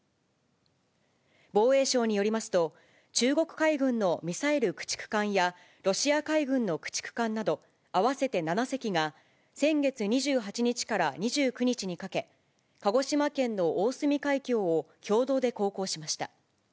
防衛省によりますと、中国海軍のミサイル駆逐艦や、ロシア海軍の駆逐艦など合わせて７隻が、先月２８日から２９日にかけ、鹿児島県の大隅海峡を共同で航行しました。